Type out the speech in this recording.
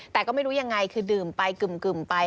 แต่ก็ไม่รู้ยังไงคือดื่มไปกึ่มไป